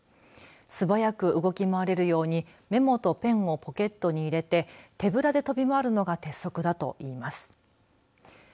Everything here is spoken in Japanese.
素早く動き回れるようにメモとペンをポケットに入れて手ぶらで飛び回るのが鉄則だといいます。